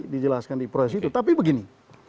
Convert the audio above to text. dijelaskan di proses itu tapi begini